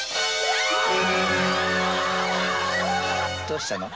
どうしたの？